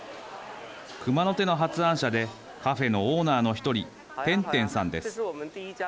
熊の手の発案者でカフェのオーナーの１人天天さんです。